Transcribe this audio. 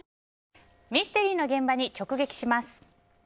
ミステリーの現場に直撃します。